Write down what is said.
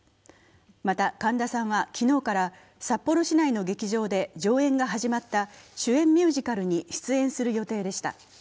また、神田さんは昨日から札幌市内の劇場で上演が始まった主演ミュージカルに出演する予定でした。